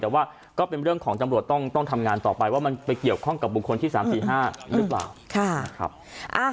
แต่ว่าก็เป็นเรื่องของจำรวจต้องทำงานต่อไปว่ามันไปเกี่ยวข้องกับบุคคลที่๓๔๕หรือเปล่านะครับ